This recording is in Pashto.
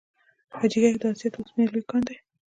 حاجي ګک د اسیا د وسپنې لوی کان دی